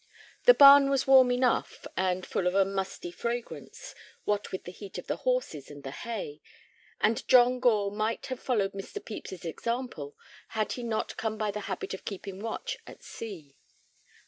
The barn was warm enough, and full of a musty fragrance, what with the heat of the horses and the hay, and John Gore might have followed Mr. Pepys's example had he not come by the habit of keeping watch at sea.